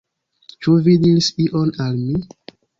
Ĉu vi diris ion al mi?